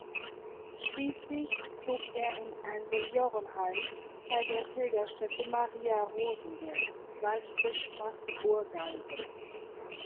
Schließlich zog er in ein Seniorenheim bei der Pilgerstätte Maria Rosenberg, Waldfischbach-Burgalben.